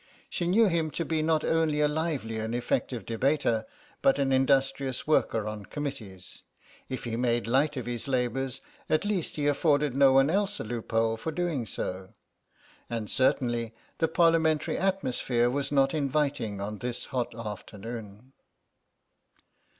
She knew him to be not only a lively and effective debater but an industrious worker on committees. If he made light of his labours, at least he afforded no one else a loophole for doing so. And certainly, the Parliamentary atmosphere was not inviting on this hot afternoon.